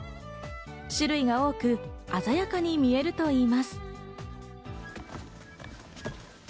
種類が多く、鮮やかに見えるといいます。